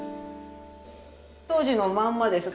当時のまんまです。